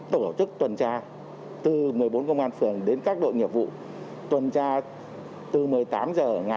tổ chức tuần tra từ một mươi bốn công an phường đến các đội nghiệp vụ tuần tra từ một mươi tám h ngày